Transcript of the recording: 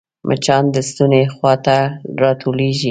مچان د ستوني خوا ته راټولېږي